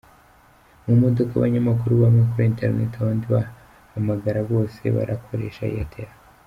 Mu modoka, abanyamakuru bamwe kuri internet abandi bahamagara bose barakoresha Airtel.